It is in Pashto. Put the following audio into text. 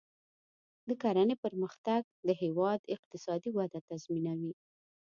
د کرنې پرمختګ د هیواد اقتصادي وده تضمینوي.